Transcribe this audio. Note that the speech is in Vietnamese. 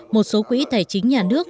một số quỹ tài chính nhà nước